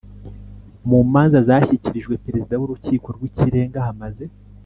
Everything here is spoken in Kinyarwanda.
Mu manza zashyikirijwe Perezida w Urukiko rw Ikirenga hamaze